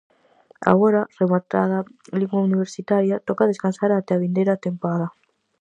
Agora, rematada liga universitaria, toca descansar até a vindeira tempada.